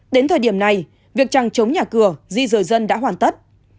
đến thời điểm này việc trăng chống nhà cửa di rời dân đã hoàn tất